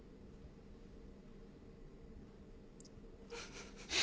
フフフ。